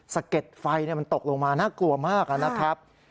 เก็ดไฟมันตกลงมาน่ากลัวมากนะครับ